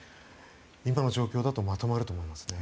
今の状況だとまとまると思いますね。